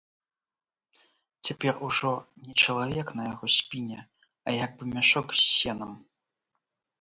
Цяпер ужо не чалавек на яго спіне, а як бы мяшок з сенам.